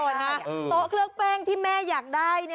โต๊ะเครื่องแป้งที่แม่อยากได้